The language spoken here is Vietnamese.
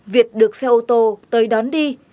việt được xe ô tô tới đón đi